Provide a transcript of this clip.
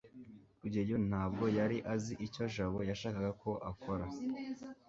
rugeyo ntabwo yari azi icyo jabo yashakaga ko akora